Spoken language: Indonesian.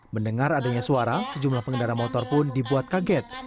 mendengar adanya suara sejumlah pengendara motor pun dibuat kaget